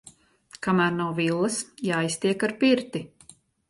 Kamēr nav villas, jāiztiek ar pirti.